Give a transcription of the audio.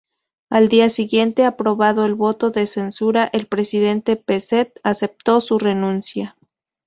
Al día siguiente, aprobado el voto de censura, el presidente Pezet aceptó su renuncia.